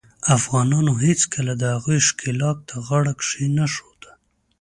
افغانانو هیڅکله د هغوي ښکیلاک ته غاړه کښېنښوده.